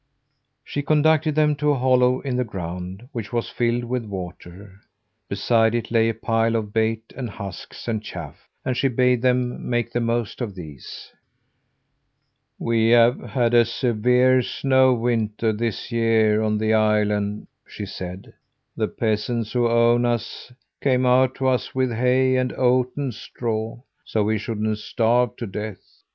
She conducted them to a hollow in the ground, which was filled with water. Beside it lay a pile of bait and husks and chaff; and she bade them make the most of these. "We have had a severe snow winter this year, on the island," she said. "The peasants who own us came out to us with hay and oaten straw, so we shouldn't starve to death.